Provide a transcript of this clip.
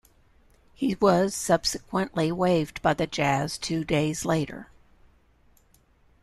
He was subsequently waived by the Jazz two days later.